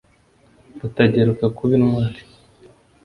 rutageruka kuba intwari,